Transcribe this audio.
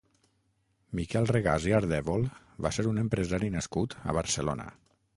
Miquel Regàs i Ardèvol va ser un empresari nascut a Barcelona.